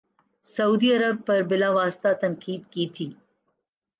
سعودی عرب پر بلا واسطہ تنقید کی تھی